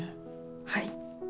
はい。